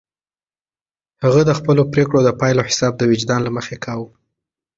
هغه د خپلو پرېکړو د پایلو حساب د وجدان له مخې کاوه.